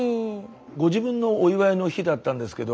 ご自分のお祝いの日だったんですけど。